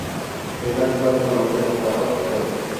Es nativa de Colombia, Ecuador y Perú.